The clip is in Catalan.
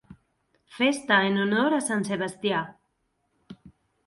Festa en honor a sant Sebastià.